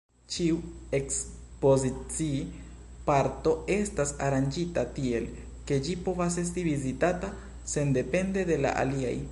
Ĉiu ekspozici-parto estas aranĝita tiel, ke ĝi povas esti vizitata sendepende de la aliaj.